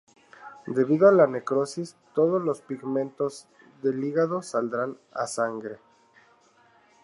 Debido a la necrosis todos los pigmentos del hígado saldrán a sangre.